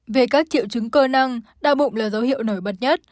về các triệu chứng cơ năng đau bụng là dấu hiệu nổi bật nhất